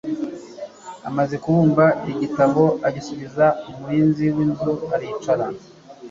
«Amaze kubumba igitabo, agisubiza umurinzi w'inzu, aricara.»